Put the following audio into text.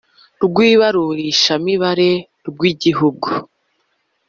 rw ibarurishamibare rw Igihugu